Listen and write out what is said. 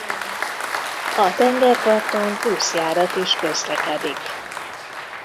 A tengerparton buszjárat is közlekedik.